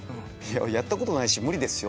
やったことないし無理ですよ！